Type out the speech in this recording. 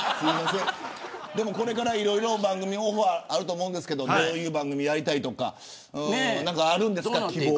これから、いろいろ番組オファーあると思うんですけどどういう番組やりたいとか何か、あるんですか希望。